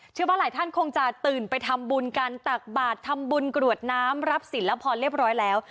เชื่อว่าหลายท่านคงจะตื่นไปทำบุญกันตักบาททำบุญกรวดน้ำรับศิลพ์แล้ว